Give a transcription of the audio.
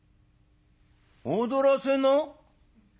「踊らせな。